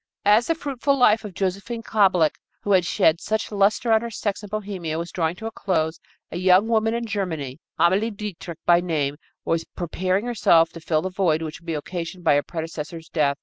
As the fruitful life of Josephine Kablick who had shed such luster on her sex in Bohemia was drawing to a close, a young woman in Germany, Amalie Dietrich by name, was preparing herself to fill the void which would be occasioned by her predecessor's death.